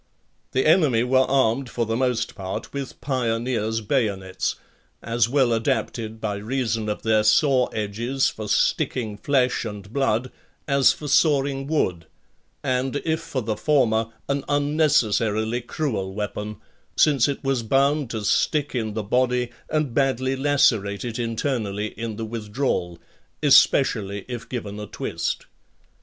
The enemy were armed for the most part with pioneers' bayonets, as well adapted by reason of their saw edges for sticking flesh and blood as for sawing wood; and, if for the former, an unnecessarily cruel weapon, since it was bound to stick in the body and badly lacerate it internally in the withdrawal; especially if given a twist.